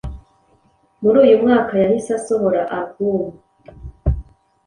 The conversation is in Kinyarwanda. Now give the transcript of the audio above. Muri uyu mwaka yahise asohora album